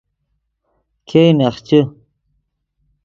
ګئے نخچے